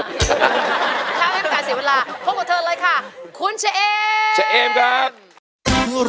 ถ้าไม่มีประกาศเสียวันลาพบกับเธอเลยค่ะคุณเชเอม